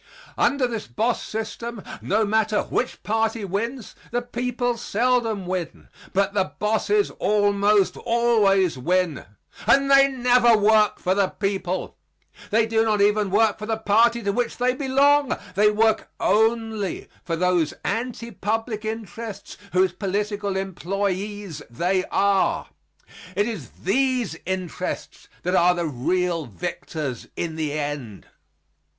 Under this boss system, no matter which party wins, the people seldom win; but the bosses almost always win. And they never work for the people. They do not even work for the party to which they belong. They work only for those anti public interests whose political employees they are. It is these interests that are the real victors in the end.